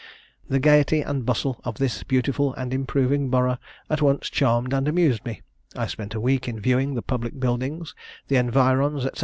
The gaiety and bustle of this beautiful and improving borough at once charmed and amused me; I spent a week in viewing the public buildings, the environs, &c.